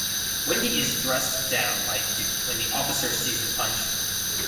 Windy is dressed down by Duke when the officer sees the punch.